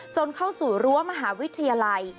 เข้าสู่รั้วมหาวิทยาลัย